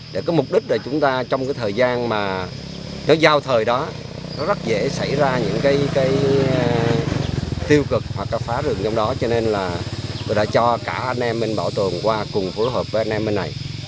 để có mục đích là chúng ta trong cái thời gian mà cái giao thời đó nó rất dễ xảy ra những cái tiêu cực hoặc là phá rừng trong đó cho nên là đã cho cả anh em bên bảo tồn qua cùng phối hợp với anh em bên này